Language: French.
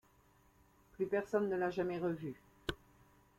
Plus personne ne l'a jamais revue.